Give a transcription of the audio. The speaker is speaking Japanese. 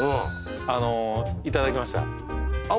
あのいただきましたあっ